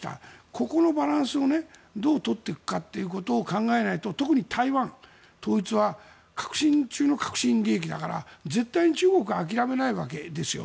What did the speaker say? ここのバランスをどう取っていくかということを考えないと、特に台湾統一は核心中の核心利益だから絶対に中国は諦めないわけですよ。